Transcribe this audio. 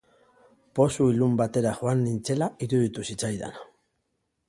Pozu ilun batera joan nintzela iruditu zitzaidan.